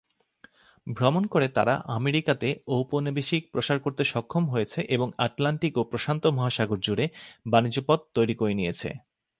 ভ্রমণ করে তারা আমেরিকাতে ঔপনিবেশিক প্রসার করতে সক্ষম হয়েছে এবং আটলান্টিক ও প্রশান্ত মহাসাগর জুড়ে বাণিজ্য পথ তৈরি করে নিয়েছে।